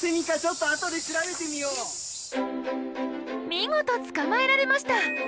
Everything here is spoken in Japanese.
見事捕まえられました！